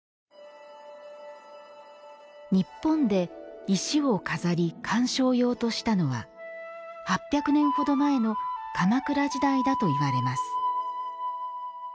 日本で石を飾り観賞用としたのは８００年ほど前の鎌倉時代だといわれます。